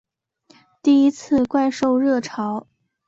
第一次怪兽热潮